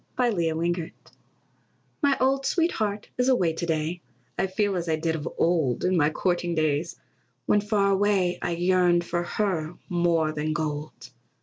MY OLD SWEETHEART My old sweetheart is away to day; I feel as I did of old, In my courting days, when far away I yearned for her more than gold.